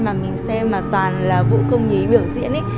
mà mình xem toàn là vụ công nhí biểu diễn